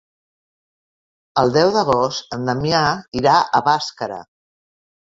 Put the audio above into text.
El deu d'agost en Damià irà a Bàscara.